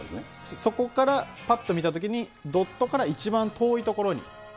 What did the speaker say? そこからぱっと見たときに、ドットから一番遠い所に。